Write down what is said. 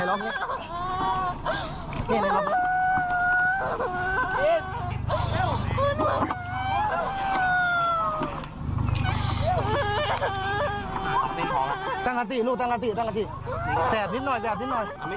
โอ้โหดูแผลทะเลาะนี่